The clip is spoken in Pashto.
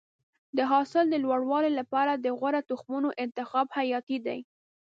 د حاصل د لوړوالي لپاره د غوره تخمونو انتخاب حیاتي دی.